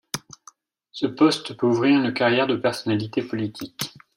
Ce poste peut ouvrir une carrière de personnalité politique.